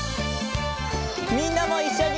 みんなもいっしょに！